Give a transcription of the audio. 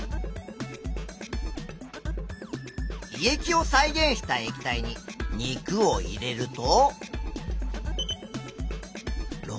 胃液を再現した液体に肉を入れると。